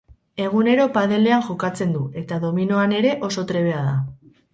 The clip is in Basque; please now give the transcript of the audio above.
Egunero paddle-ean jokatzen du, eta dominoan ere oso trebea da.